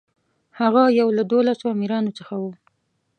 هغه یو له دولسو امیرانو څخه و.